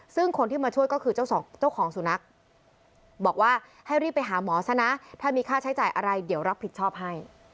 ซึ่งคนที่มาช่วยก็คือเจ้าของสุนัขบอกว่าให้รีบไปหาหมอซะนะถ้ามีค่าใช้จ่ายอะไรเดี๋ยวรับผิดชอบให้